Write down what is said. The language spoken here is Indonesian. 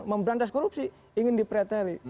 memberantas korupsi ingin dipretari